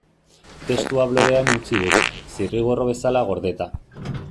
Testua blogean utzi dut, zirriborro bezala gordeta.